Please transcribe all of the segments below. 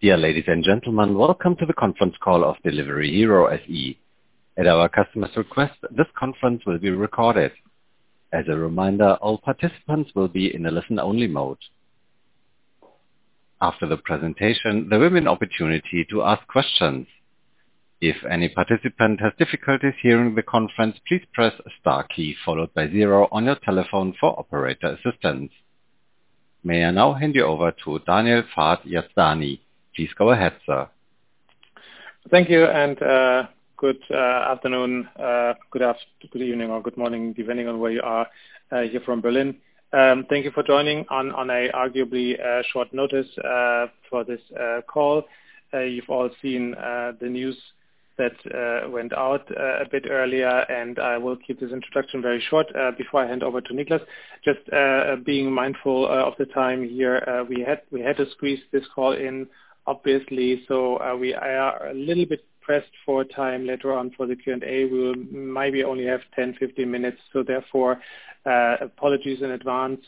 Dear ladies and gentlemen welcome to the conference call of Delivery Hero SE. As our customers request this conference call will be recorded. As a reminder all participants will be in a listen-only mode. After the presentation there will be an opportunity to ask questions. If any of participants have difficulty hearing the conference please press star followed by zero on your telephone phone operator for assistance. May I now hand you over to Daniel Fard-Yazdani. Please go ahead, sir. Thank you. Good afternoon. Good evening, or good morning, depending on where you are here from Berlin. Thank you for joining on arguably short notice for this call. You've all seen the news that went out a bit earlier, and I will keep this introduction very short. Before I hand over to Niklas, just being mindful of the time here. We had to squeeze this call in, obviously. We are a little bit pressed for time later on for the Q&A. We will maybe only have 10, 15 minutes. Therefore, apologies in advance.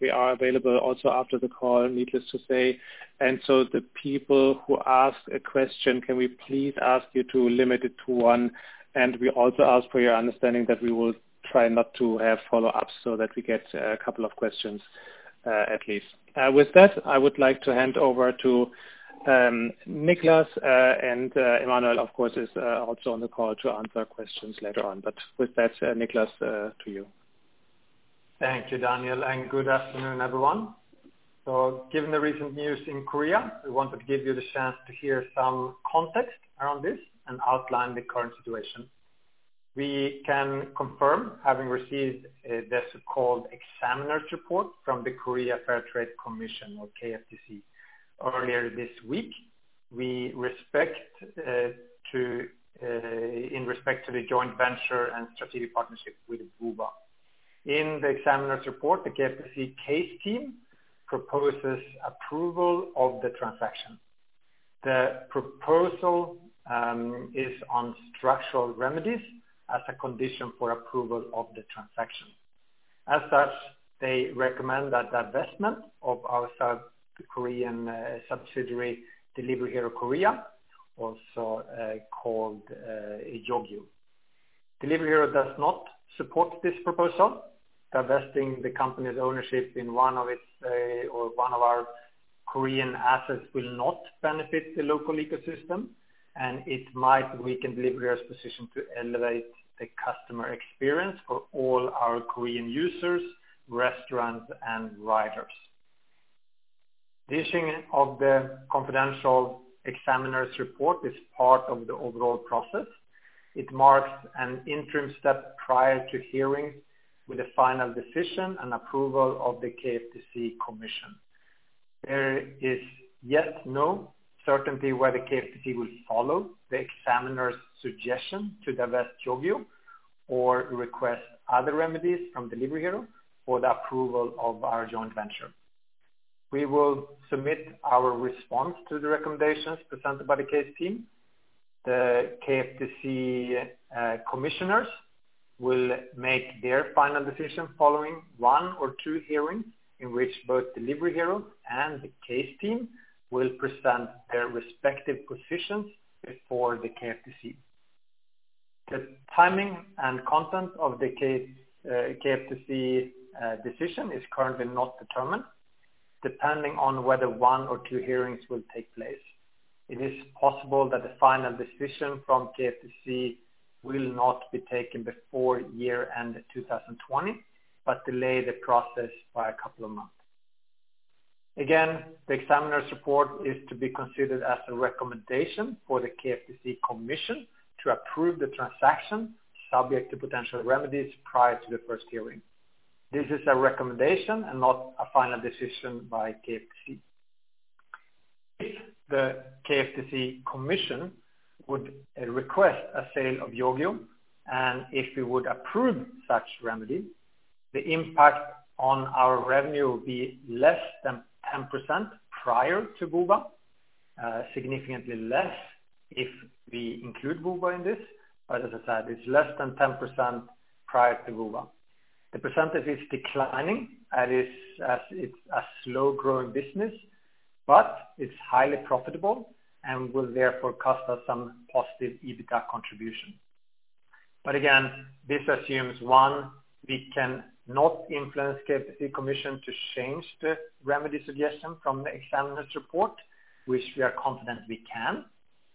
We are available also after the call, needless to say. The people who ask a question, can we please ask you to limit it to one? We also ask for your understanding that we will try not to have follow-ups so that we get a couple of questions at least. With that, I would like to hand over to Niklas, and Emmanuel, of course, is also on the call to answer questions later on. With that, Niklas, to you. Thank you, Daniel. Good afternoon, everyone. Given the recent news in Korea, we wanted to give you the chance to hear some context around this and outline the current situation. We can confirm having received this so-called examiner's report from the Korea Fair Trade Commission or KFTC earlier this week in respect to the joint venture and strategic partnership with Woowa. In the examiner's report, the KFTC case team proposes approval of the transaction. The proposal is on structural remedies as a condition for approval of the transaction. As such, they recommend that divestment of our South Korean subsidiary, Delivery Hero Korea, also called Yogiyo. Delivery Hero does not support this proposal. Divesting the company's ownership in one of our Korean assets will not benefit the local ecosystem, and it might weaken Delivery Hero's position to elevate the customer experience for all our Korean users, restaurants, and riders. Issuing of the confidential examiner's report is part of the overall process. It marks an interim step prior to hearing with a final decision and approval of the KFTC Commission. There is yet no certainty whether KFTC will follow the examiner's suggestion to divest Yogiyo or request other remedies from Delivery Hero for the approval of our joint venture. We will submit our response to the recommendations presented by the case team. The KFTC commissioners will make their final decision following one or two hearings in which both Delivery Hero and the case team will present their respective positions before the KFTC. The timing and content of the KFTC decision is currently not determined, depending on whether one or two hearings will take place. It is possible that the final decision from KFTC will not be taken before year-end 2020, but delay the process by a couple of months. The examiner's report is to be considered as a recommendation for the KFTC commission to approve the transaction subject to potential remedies prior to the first hearing. This is a recommendation and not a final decision by KFTC. If the KFTC commission would request a sale of Yogiyo, and if we would approve such remedy, the impact on our revenue will be less than 10% prior to Woowa. Significantly less if we include Woowa in this. As I said, it's less than 10% prior to Woowa. The % is declining as it's a slow-growing business, but it's highly profitable and will therefore cost us some positive EBITDA contribution. Again, this assumes, one, we cannot influence KFTC commission to change the remedy suggestion from the examiner's report, which we are confident we can,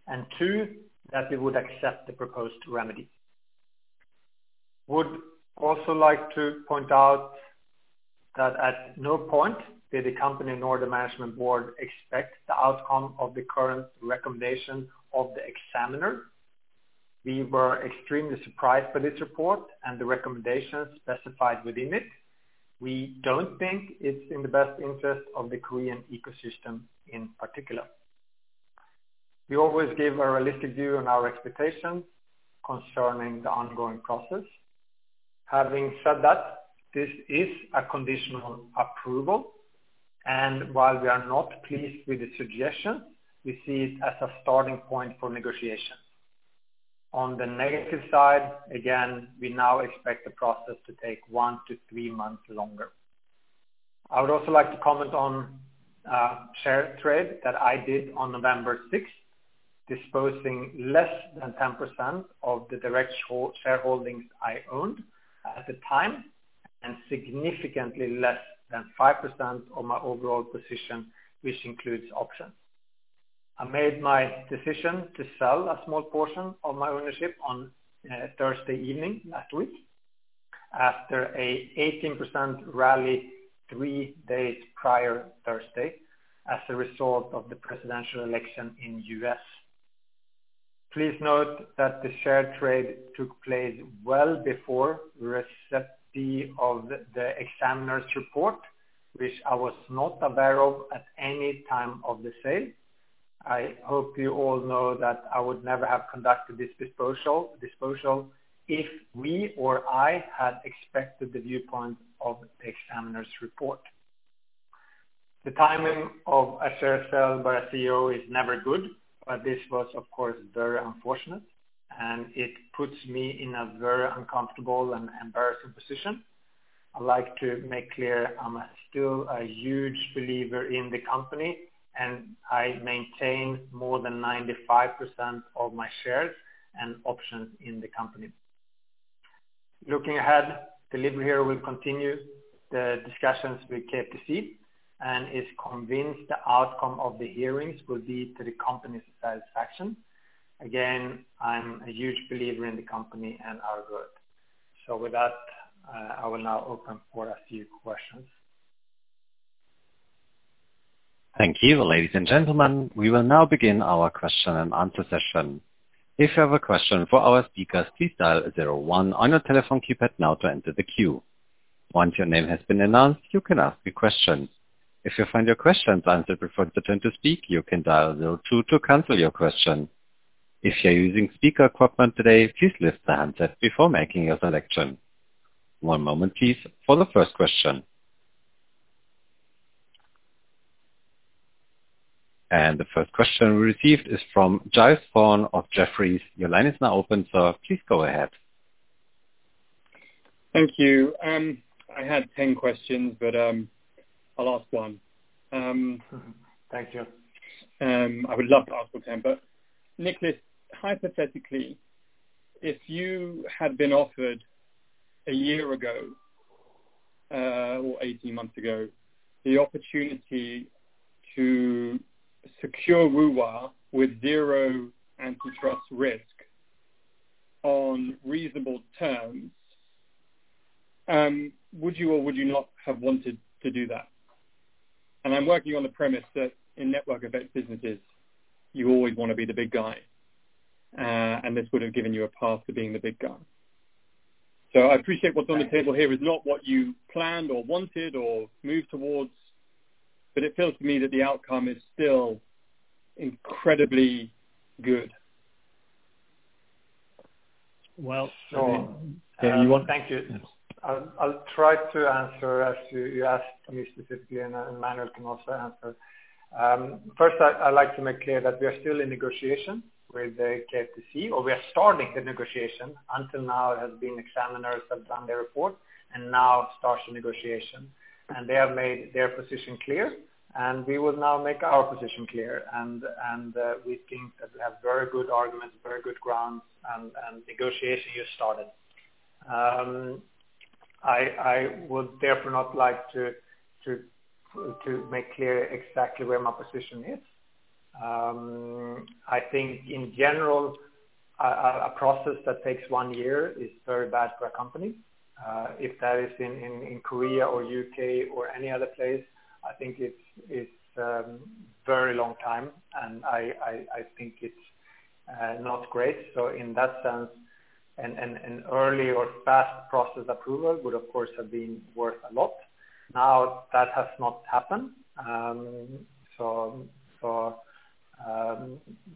and two, that we would accept the proposed remedy. Would also like to point out that at no point did the company nor the management board expect the outcome of the current recommendation of the examiner. We were extremely surprised by this report and the recommendations specified within it. We don't think it's in the best interest of the Korean ecosystem in particular. We always give a realistic view on our expectations concerning the ongoing process. Having said that, this is a conditional approval, and while we are not pleased with the suggestion, we see it as a starting point for negotiation. On the negative side, again, we now expect the process to take one to three months longer. I would also like to comment on a share trade that I did on November 6th, disposing less than 10% of the direct shareholdings I owned at the time, and significantly less than 5% of my overall position, which includes options. I made my decision to sell a small portion of my ownership on Thursday evening last week after an 18% rally three days prior, Thursday, as a result of the presidential election in U.S. Please note that the share trade took place well before receipt of the examiner's report, which I was not aware of at any time of the sale. I hope you all know that I would never have conducted this disposal if we or I had expected the viewpoint of the examiner's report. The timing of a share sale by a CEO is never good, but this was, of course, very unfortunate, and it puts me in a very uncomfortable and embarrassing position. I'd like to make clear I'm still a huge believer in the company, and I maintain more than 95% of my shares and options in the company. Looking ahead, Delivery Hero will continue the discussions with KFTC, and is convinced the outcome of the hearings will be to the company's satisfaction. Again, I'm a huge believer in the company and our growth. With that, I will now open for a few questions. Thank you, ladies and gentlemen. We will now begin our question-and-answer session. If you have a question for our speakers, please dial zero one on your telephone keypad now to enter the queue. Once your name has been announced, you can ask a question. If you find your question's answered before it's your turn to speak, you can dial zero two to cancel your question. If you're using speaker equipment today, please lift the handset before making your selection. One moment please for the first question. The first question we received is from Giles Thorne of Jefferies. Your line is now open, sir. Please go ahead. Thank you. I had 10 questions, but I'll ask one. Thank you. I would love to ask all 10, Niklas, hypothetically, if you had been offered a year ago, or 18 months ago, the opportunity to secure Woowa with zero antitrust risk on reasonable terms, would you or would you not have wanted to do that? I'm working on the premise that in network effects businesses, you always want to be the big guy. This would have given you a path to being the big guy. I appreciate what's on the table here is not what you planned or wanted or moved towards, but it feels to me that the outcome is still incredibly good. Well- So, you want- Thank you. I'll try to answer as you asked me specifically, and Emmanuel can also answer. First, I'd like to make clear that we are still in negotiation with the KFTC, or we are starting the negotiation. Until now it has been examiners have done their report, and now starts the negotiation. They have made their position clear, and we will now make our position clear, and we think that we have very good arguments, very good grounds, and negotiation just started. I would therefore not like to make clear exactly where my position is. I think in general, a process that takes one year is very bad for a company. If that is in Korea or U.K. or any other place, I think it's a very long time, and I think it's not great. In that sense, an early or fast process approval would of course have been worth a lot. Now, that has not happened.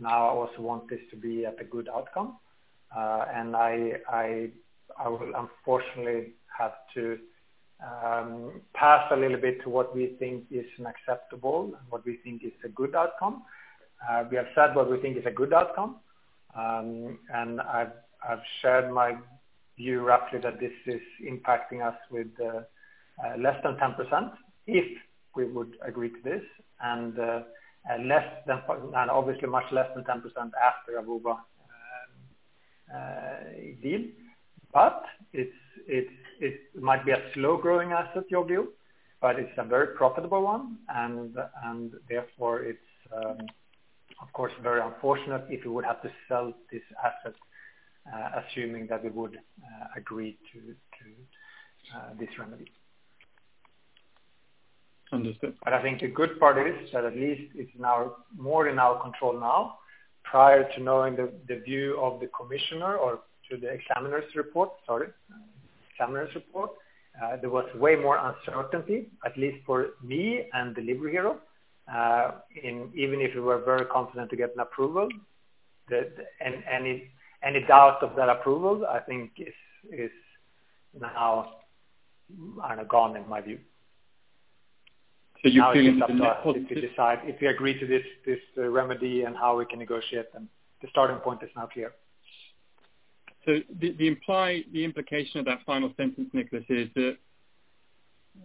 Now I also want this to be at a good outcome. I will unfortunately have to pass a little bit to what we think is acceptable, what we think is a good outcome. We have said what we think is a good outcome. I've shared my view rapidly that this is impacting us with less than 10%, if we would agree to this, and obviously much less than 10% after a Woowa deal. It might be a slow-growing asset, Yogiyo, but it's a very profitable one. Therefore it's of course very unfortunate if we would have to sell this asset, assuming that we would agree to this remedy. Understood. I think the good part is that at least it's more in our control now. Prior to knowing the view of the commissioner or to the examiner's report, sorry, there was way more uncertainty, at least for me and Delivery Hero. Even if we were very confident to get an approval, any doubt of that approval, I think is now gone in my view. Now it's up to us to decide if we agree to this remedy and how we can negotiate them. The starting point is now clear. The implication of that final sentence, Niklas, is that,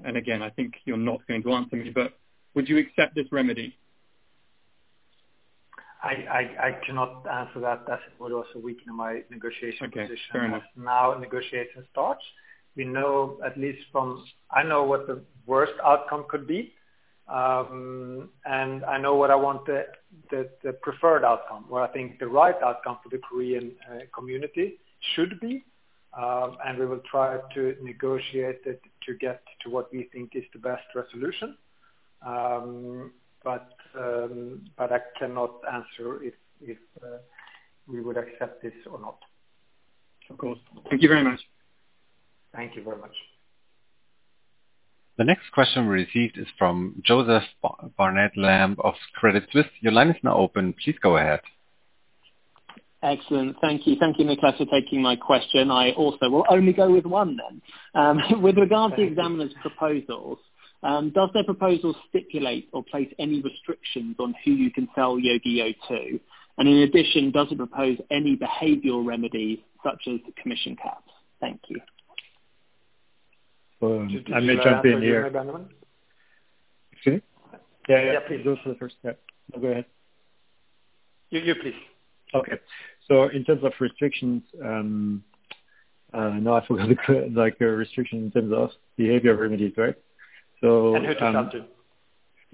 and again, I think you're not going to answer me, but would you accept this remedy? I cannot answer that, as it would also weaken my negotiation position. Okay. Fair enough. Now negotiation starts. I know what the worst outcome could be, and I know what I want the preferred outcome, what I think the right outcome for the Korean community should be, and we will try to negotiate it to get to what we think is the best resolution. I cannot answer if we would accept this or not. Of course. Thank you very much. Thank you very much. The next question we received is from Joseph Barnet-Lamb of Credit Suisse. Your line is now open. Please go ahead. Excellent. Thank you. Thank you, Niklas, for taking my question. I also will only go with one then. With regard to the examiners' proposals, does their proposal stipulate or place any restrictions on who you can sell Yogiyo to? In addition, does it propose any behavioral remedy such as commission caps? Thank you. Should I answer that, Emmanuel? I'll jump in here. Excuse me? Yeah. Please go for the first. Yeah, go ahead. You please. Okay. In terms of restrictions, now I forgot the restrictions in terms of behavior remedies, right? Who to sell to.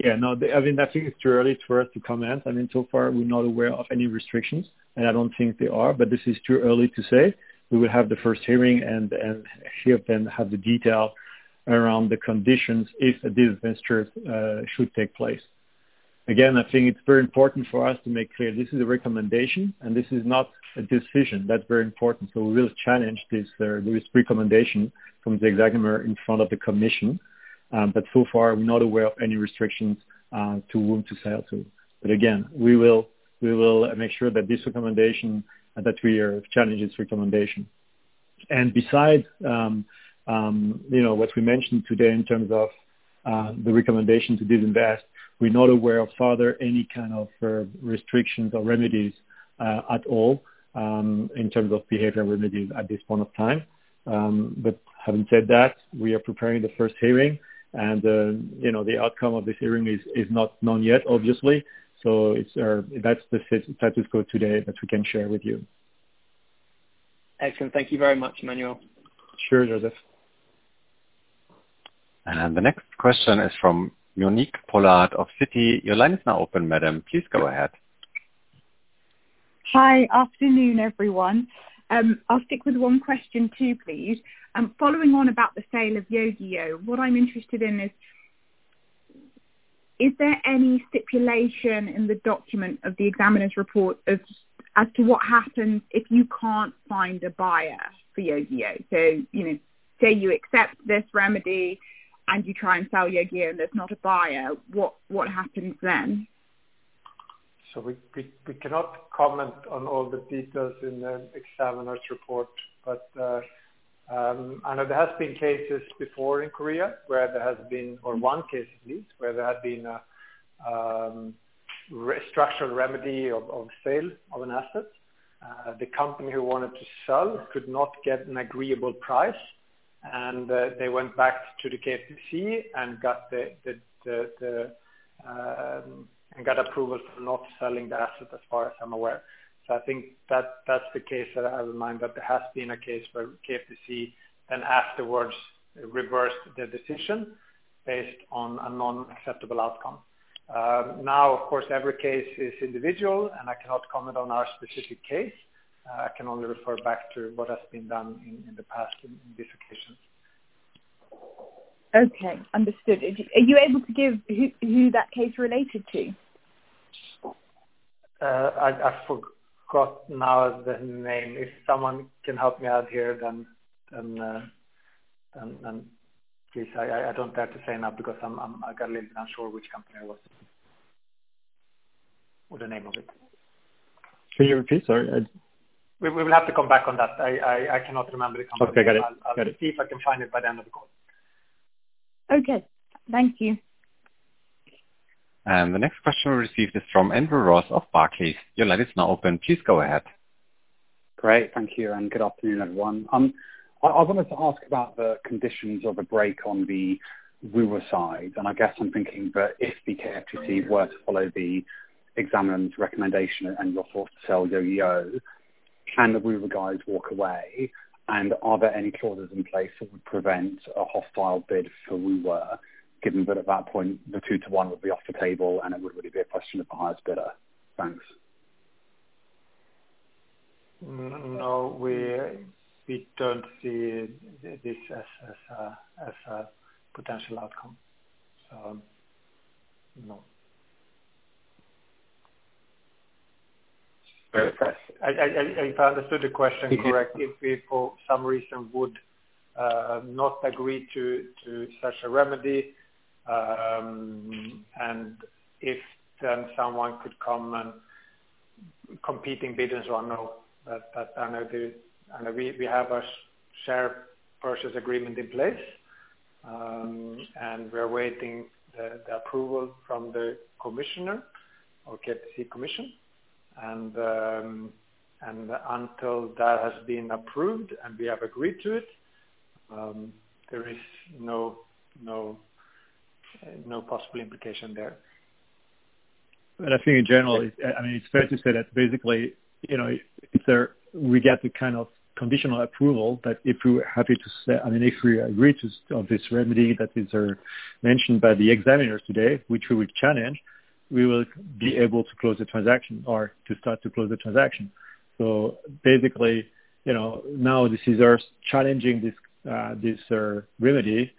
Yeah, no, I think it's too early for us to comment. Far we're not aware of any restrictions, and I don't think they are, but this is too early to say. We will have the first hearing and hear, have the detail around the conditions if a divestiture should take place. Again, I think it's very important for us to make clear this is a recommendation and this is not a decision. That's very important. We will challenge this recommendation from the examiner in front of the Commission. But so far, we're not aware of any restrictions to whom to sell to. Again, we will make sure that we challenge this recommendation. Besides what we mentioned today in terms of the recommendation to disinvest, we're not aware of further any kind of restrictions or remedies at all, in terms of behavioral remedies at this point of time. Having said that, we are preparing the first hearing and the outcome of this hearing is not known yet, obviously. That's the status quo today that we can share with you. Excellent. Thank you very much, Emmanuel. Sure, Joseph. The next question is from Monique Pollard of Citi. Your line is now open, madam. Please go ahead. Hi. Afternoon, everyone. I'll stick with one question too, please. Following on about the sale of Yogiyo, what I'm interested in is there any stipulation in the document of the examiner's report as to what happens if you can't find a buyer for Yogiyo? Say you accept this remedy and you try and sell Yogiyo and there's not a buyer, what happens then? We cannot comment on all the details in the examiner's report. I know there has been cases before in Korea where there has been, or one case at least, where there had been a structural remedy of sale of an asset. The company who wanted to sell could not get an agreeable price, and they went back to the KFTC and got approval for not selling the asset, as far as I'm aware. I think that's the case that I have in mind, that there has been a case where KFTC then afterwards reversed the decision based on a non-acceptable outcome. Of course, every case is individual, and I cannot comment on our specific case. I can only refer back to what has been done in the past in this occasion. Okay. Understood. Are you able to give who that case related to? I forgot now the name. If someone can help me out here, then please. I don't dare to say now because I got a little bit unsure which company it was or the name of it. Can you repeat? Sorry. We will have to come back on that. I cannot remember the company. Okay, got it. I'll see if I can find it by the end of the call. Okay. Thank you. The next question we received is from Andrew Ross of Barclays. Your line is now open. Please go ahead. Great. Thank you, and good afternoon, everyone. I wanted to ask about the conditions of a break on the Woowa side, and I guess I'm thinking that if the KFTC were to follow the examiner's recommendation and you're forced to sell Yogiyo, can the Woowa guys walk away? Are there any clauses in place that would prevent a hostile bid for Woowa, given that at that point, the two to one would be off the table and it would really be a question of the highest bidder? Thanks. No, we don't see this as a potential outcome. No. Fair enough. If I understood the question correctly, if we for some reason would not agree to such a remedy, Competing bidders will know that we have a share purchase agreement in place, and we're awaiting the approval from the Commissioner or KFTC Commission. Until that has been approved and we have agreed to it, there is no possible implication there. I think in general, it's fair to say that basically, if we get the kind of conditional approval, that if we're happy to say, if we agree to this remedy that is mentioned by the examiners today, which we would challenge, we will be able to close the transaction or to start to close the transaction. Basically, now this is challenging this remedy,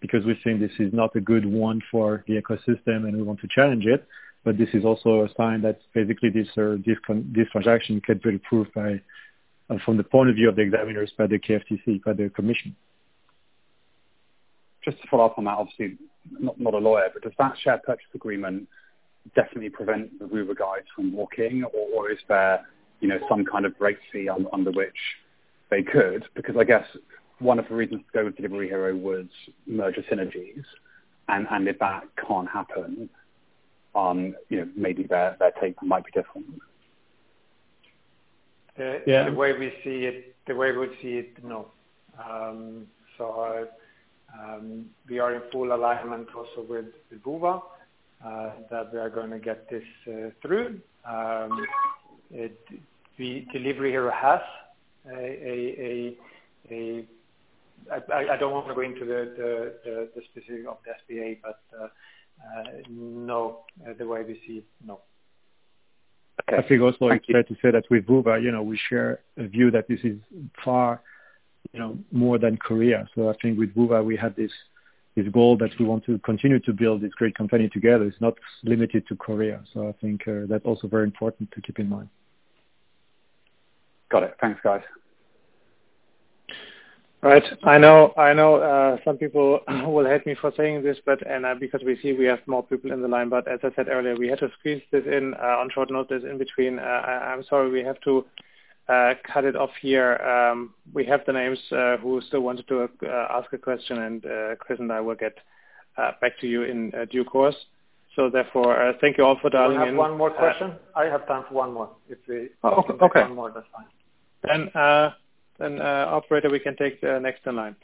because we think this is not a good one for the ecosystem and we want to challenge it. This is also a sign that basically this transaction can be approved by, from the point of view of the examiners, by the KFTC, by the commission. To follow up on that, obviously, I'm not a lawyer, does that share purchase agreement definitely prevent the Woowa guys from walking? Is there some kind of break fee under which they could? I guess one of the reasons to go with Delivery Hero was merger synergies, and if that can't happen, maybe their take might be different. The way we see it, no. We are in full alignment also with Woowa, that we are going to get this through. I don't want to go into the specifics of the SPA, but, no, the way we see it, no. I think it's also fair to say that with Woowa, we share a view that this is far more than Korea. I think with Woowa, we have this goal that we want to continue to build this great company together. It's not limited to Korea. I think that's also very important to keep in mind. Got it. Thanks, guys. Right. I know some people will hate me for saying this, and because we see we have more people in the line, but as I said earlier, we had to squeeze this in on short notice in between. I'm sorry, we have to cut it off here. We have the names who still wanted to ask a question, and Chris and I will get back to you in due course. Therefore, thank you all for dialing in. We have one more question. I have time for one more. Oh, okay. Take one more, that's fine. Operator, we can take the next in line.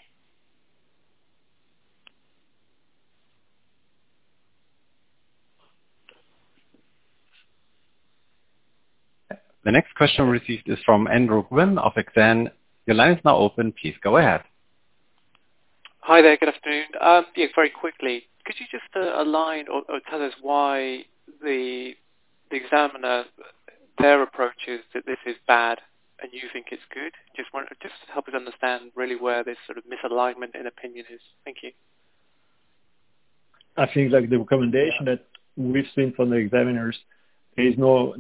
The next question received is from Andrew Gwynn of Exane. Your line is now open. Please go ahead. Hi there. Good afternoon. Very quickly, could you just align or tell us why the examiner, their approach is that this is bad and you think it's good? Just to help us understand really where this sort of misalignment in opinion is. Thank you. I think like the rational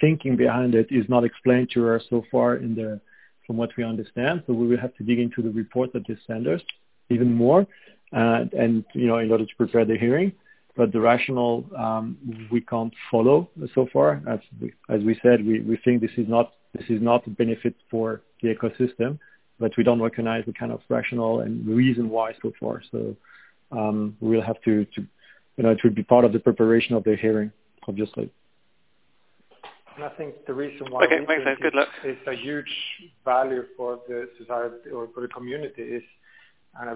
thinking behind it is not explained to us so far from what we understand. We will have to dig into the report that they send us even more in order to prepare the hearing. The rationale, we can't follow so far. As we said, we think this is not a benefit for the ecosystem, but we don't recognize the kind of rationale and reason why so far. We'll have to be part of the preparation of the hearing, obviously. I think the reason why- Okay, thanks. Good luck. It's a huge value for the society or for the community is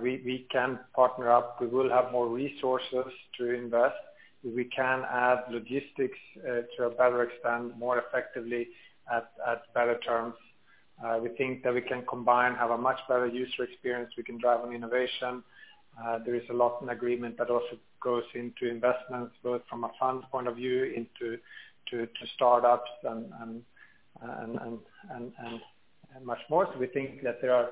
we can partner up. We will have more resources to invest. We can add logistics to a better extent, more effectively at better terms. We think that we can combine, have a much better user experience. We can drive on innovation. There is a lot in agreement that also goes into investments, both from a fund point of view into startups and much more. We think that there are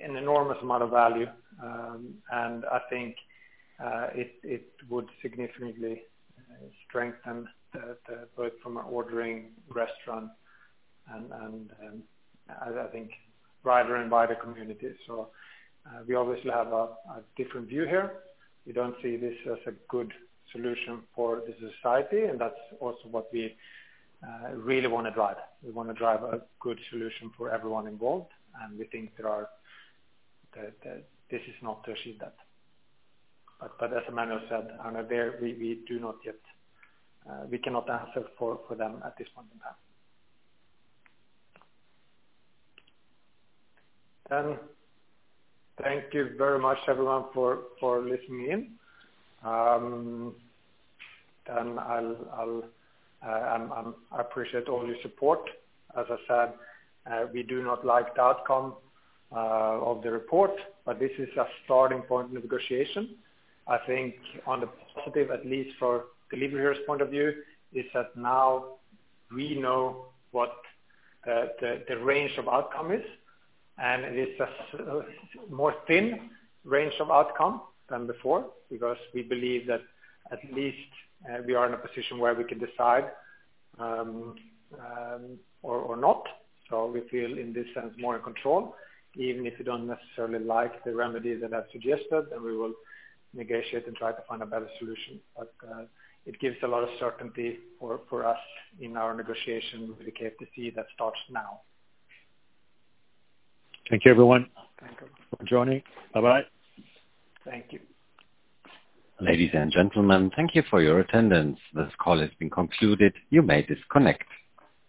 an enormous amount of value, and I think it would significantly strengthen both from an ordering restaurant and I think rider and rider community. We obviously have a different view here. We don't see this as a good solution for the society, and that's also what we really want to drive. We want to drive a good solution for everyone involved, and we think this is not to achieve that. As Emmanuel said, we cannot answer for them at this point in time. Thank you very much, everyone, for listening in. I appreciate all your support. As I said, we do not like the outcome of the report, but this is a starting point in the negotiation. I think on the positive, at least for Delivery Hero's point of view, is that now we know what the range of outcome is, and it is a more thin range of outcome than before because we believe that at least we are in a position where we can decide or not. We feel in this sense, more in control, even if we don't necessarily like the remedies that are suggested, then we will negotiate and try to find a better solution. It gives a lot of certainty for us in our negotiation with the KFTC that starts now. Thank you, everyone. Thank you. For joining. Bye-bye. Thank you. Ladies and gentlemen, thank you for your attendance. This call has been concluded. You may disconnect.